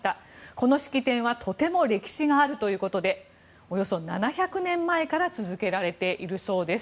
この式典はとても歴史があるということでおよそ７００年前から続けられているそうです。